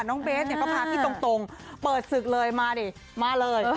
เบสเนี่ยก็พาพี่ตรงเปิดศึกเลยมาดิมาเลย